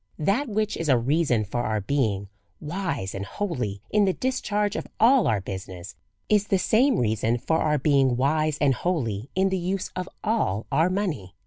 That which is a reason for our being wise and holy in the discharge of all our business, is the same rea son for our being wise and holy in the use of all our money.